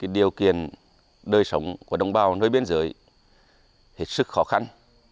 điều kiện đời sống của đồng bào nơi biên giới hết sức khó khăn